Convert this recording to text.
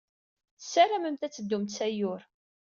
Tessaramemt ad teddumt s Ayyur.